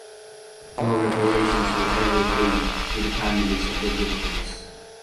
No reparations were ever paid to the families of the victims.